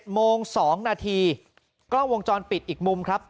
โมง๒นาทีกล้องวงจรปิดอีกมุมครับ